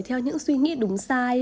theo những suy nghĩ đúng sai